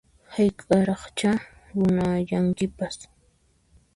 Hayk'aqraqchá runayankipas